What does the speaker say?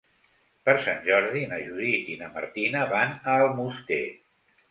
Per Sant Jordi na Judit i na Martina van a Almoster.